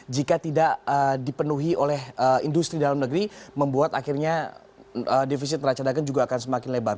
jika tidak dipenuhi oleh industri dalam negeri membuat akhirnya defisit neraca dagang juga akan semakin lebar